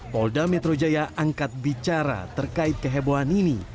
polda metro jaya angkat bicara terkait kehebohan ini